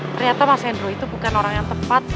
ternyata mas hendro itu bukan orang yang tepat